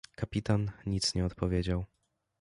"Kapitan nic nie odpowiedział."